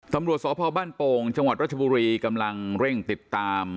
ตำรวจสพบ้านโป่งจังหวัดรัชบุรีกำลังเร่งติดตาม